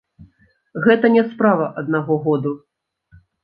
Гэта не справа аднаго году.